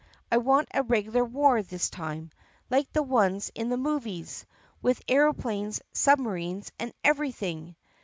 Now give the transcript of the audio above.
I want a regular war this time, like the ones in the movies — with aeroplanes, submarines, and everything."